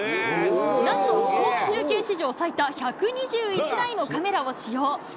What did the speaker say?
なんと、スポーツ中継史上最多１２１台のカメラを使用。